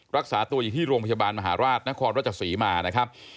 รักษาตัวอยู่ที่โรงพยาบาลมหาราชนครราชศรีมานะครับ